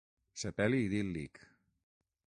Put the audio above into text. Sepeli idíl·lic